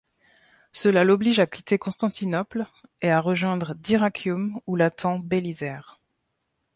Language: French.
Cela l'oblige à quitter Constantinople et à rejoindre Dyrrachium où l'attend Bélisaire.